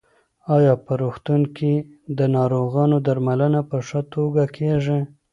ایا په روغتون کې د ناروغانو درملنه په ښه توګه کېږي؟